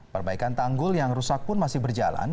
perbaikan tanggul yang rusak pun masih berjalan